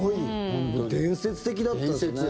伝説的だったんですね。